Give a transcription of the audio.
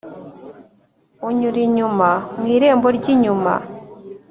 Unyura inyuma mu irembo ry inyuma